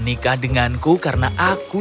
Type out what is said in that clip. sekarang dengarkan ibu punya kejutan lain untukmu